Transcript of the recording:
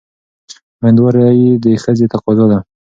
مېندواري د ښځې تقاضا ده.